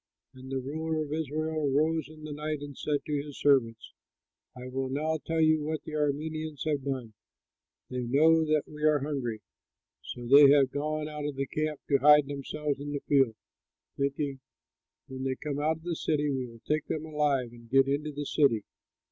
And the ruler of Israel rose in the night and said to his servants, "I will now tell you what the Arameans have done: they know that we are hungry; so they have gone out of the camp to hide themselves in the field, thinking, 'When they come out of the city, we will take them alive and get into the city.'"